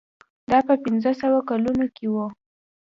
دا په پنځه سوه کلونو کې و.